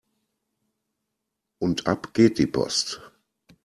Und ab geht die Post!